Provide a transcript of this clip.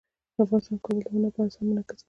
افغانستان کې کابل د هنر په اثار کې منعکس کېږي.